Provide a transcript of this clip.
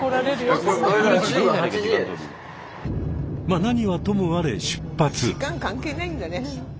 まあ何はともあれ出発。